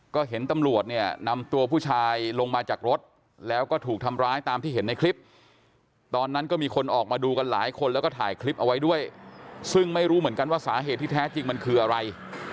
ก็เห็นตำรวจเนี่ยนำตัวผู้ชายลงมาจากรถแล้วก็ถูกทำร้ายตามที่เห็นในคลิปตอนนั้นก็มีคนออกมาดูกันหลายคนแล้วก็ถ่ายคลิปเอาไว้ด้วยซึ่งไม่รู้เหมือนกันว่าสาเหตุที่แท้จริงมันคืออะไร